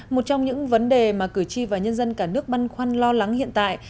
một trong những vấn đề mà cử tri và nhân dân cả nước băn khoăn lo lắng hiện tại